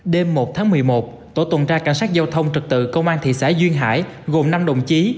đêm một tháng một mươi một tổ tuần tra cảnh sát giao thông trật tự công an thị xã duyên hải gồm năm đồng chí